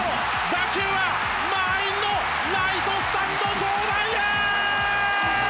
打球は満員のライトスタンド上段へ！